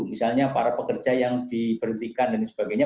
misalnya para pekerja yang diberhentikan dan sebagainya